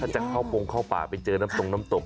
ถ้าจะเข้าโปรงเข้าป่าไปเจอน้ำตรงน้ำตก